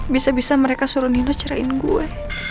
bisa bisa mereka suruh nino ceritain gue